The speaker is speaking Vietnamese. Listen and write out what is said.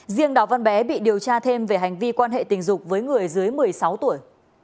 riêng đào văn bé bị điều tra thêm về hành vi quan hệ tình dục với người dưới một mươi sáu tuổi